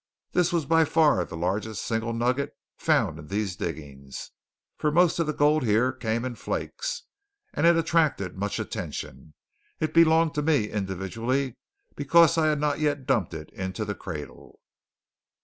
This was by far the largest single nugget found in these diggings for most of the gold here came in flakes and it attracted much attention. It belonged to me, individually, because I had not yet dumped it into the cradle.